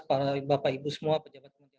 para bapak ibu semua pejabat kementerian